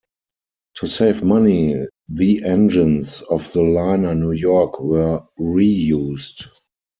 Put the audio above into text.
To save money, the engines of the liner "New York" were reused.